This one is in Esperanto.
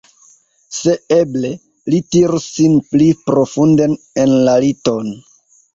Se eble, li tirus sin pli profunden en la liton.